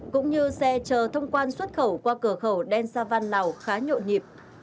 cũng như xe chờ thông quan xuất khẩu qua cửa khẩu đen sa văn lào khá nhộn nhịp